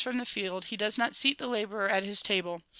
from the field, he does not seat the labourer at Ms table.